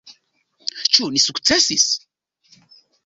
Ĉu ni sukcesis?